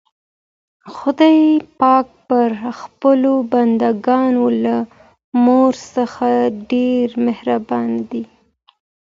خدای پاک پر خپلو بندګانو له مور څخه ډېر مهربان دی.